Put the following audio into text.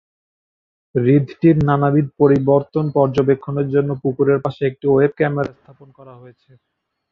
হ্রদটির নানাবিধ পরিবর্তন পর্যবেক্ষণের জন্য পুকুরের পাশে একটি ওয়েব ক্যামেরা স্থাপন করা হয়েছে।